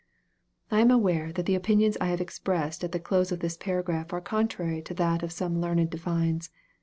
* I am aware that the opinions I have expressed at the close of this paragraph are contrary to that of some learned divines.